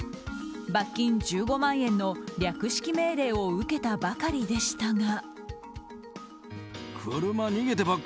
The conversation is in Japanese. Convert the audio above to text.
罰金１５万円の略式命令を受けたばかりでしたが。